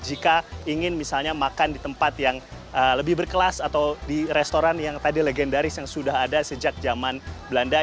jika ingin misalnya makan di tempat yang lebih berkelas atau di restoran yang tadi legendaris yang sudah ada sejak zaman belanda